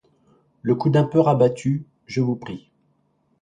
Le coude un peu rabattu, je vous prie.